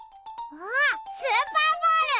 あっスーパーボール！